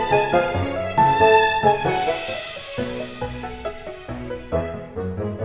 terima kasih mas